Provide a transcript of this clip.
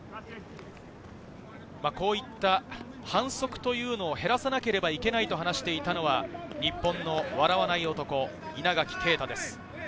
こういった反則というのを減らさなければいけないと話していたのは、日本の笑わない男・稲垣啓太です。